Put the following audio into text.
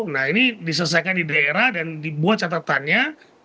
nah ini diselesaikan di daerah dan dibuat catatannya